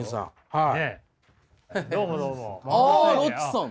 はい？